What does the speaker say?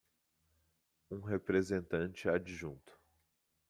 Um representante adjunto